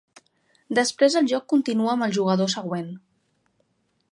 Després el joc continua amb el jugador següent.